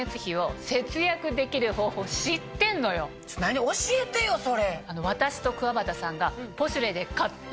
何教えてよそれ。